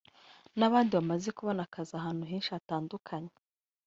n’abandi bamaze kubona akazi ahantu henshi hatandukanye